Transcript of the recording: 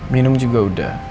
minum juga udah